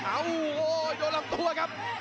โอ้โหโหโหโดดประตูครับ